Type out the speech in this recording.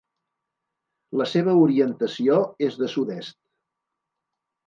La seva orientació és de sud-est.